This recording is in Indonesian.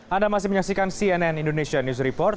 anda masih menyaksikan cnn indonesia news report